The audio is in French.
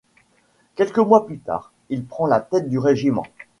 Quelques mois plus tard, il prend la tête du régiment.